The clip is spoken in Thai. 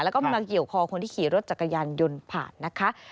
แล้วก็มาเกี่ยวคอคนที่ขี่รถจักรยานยนต์ผ่านนะคะ